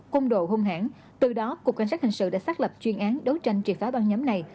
công đồ hung hãng từ đó cục cảnh sát hình sự đã xác lập chuyên án đấu tranh triệt phá băng nhóm này